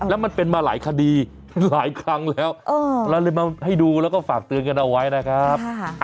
แล้วมันเป็นมาหลายคดีหลายครั้งแล้วเราเลยมาให้ดูแล้วก็ฝากเตือนกันเอาไว้นะครับ